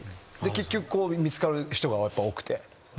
結局見つかる人が多くて。